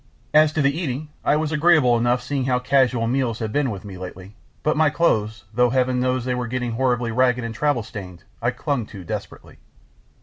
As to the eating, I was agreeable enough seeing how casual meals had been with me lately, but my clothes, though Heaven knows they were getting horribly ragged and travel stained, I clung to desperately.